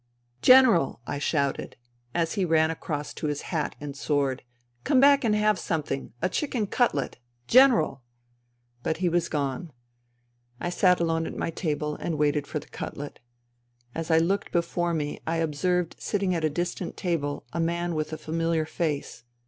" General !" I shouted, as he ran across to his hat and sword. " Come back and have something. A chicken cutlet. General !" But he was gone. I sat alone at my table and waited for the cutlet. As I looked before me I observed sitting at a distant table a man with a familiar face.